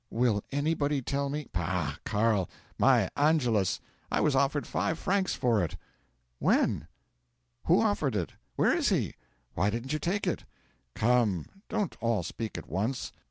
Will anybody tell me " '"Pah, Carl My 'Angelus!' I was offered five francs for it." '"When?" '"Who offered it?" '"Where is he?" '"Why didn't you take it?" '"Come don't all speak at once.